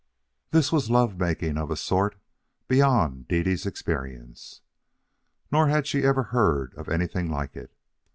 This was love making of a sort beyond Dede's experience. Nor had she ever heard of anything like it.